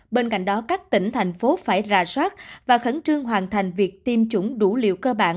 bên cạnh đó các tỉnh thành phố phải ra soát và khẩn trương hoàn thành việc tiêm chủng đủ liều cơ bản